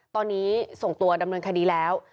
ตอนนี้ส่งตัวดำเนินคดีแล้ว